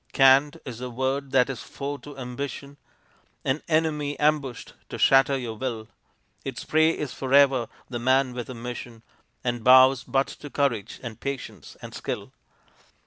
Can't is the word that is foe to ambition, An enemy ambushed to shatter your will; Its prey is forever the man with a mission And bows but to courage and patience and skill.